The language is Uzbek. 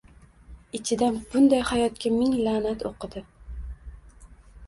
Ichida bunday hayotga ming la’nat o‘qidi.